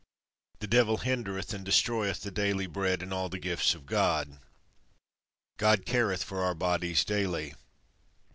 The devil hindereth and destroyeth the daily bread and all the gifts of God. God careth for our bodies daily.